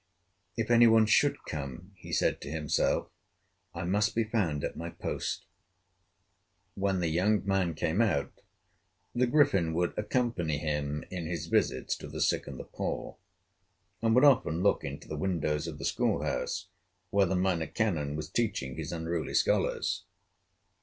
"If any one should come," he said to himself, "I must be found at my post." When the young man came out, the Griffin would accompany him in his visits to the sick and the poor, and would often look into the windows of the school house where the Minor Canon was teaching his unruly scholars.